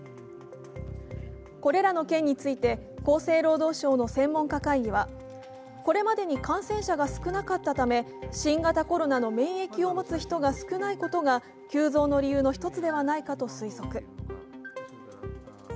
これらの県について厚生労働省の専門家会議は、これまでに感染者が少なかったため、新型コロナの免疫を持つ人が少ないことが急増の理由の一つではないかと推測。